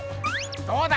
どうだ！